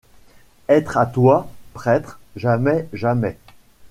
Être à toi, prêtre! jamais ! jamais !